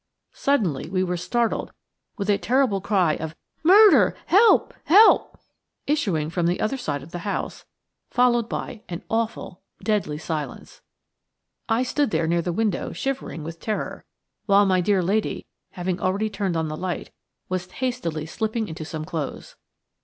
Suddenly we were startled with a terrible cry of "Murder! Help! Help!" issuing from the other side of the house, followed by an awful, deadly silence. I stood there near the window shivering with terror, while my dear lady, having already turned on the light, was hastily slipping into some clothes.